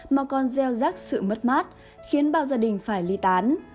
mà còn gieo rắc sự mất mát khiến bao gia đình phải ly tán